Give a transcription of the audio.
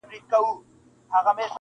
سرې لا څه ته وا د وینو فوارې سوې.!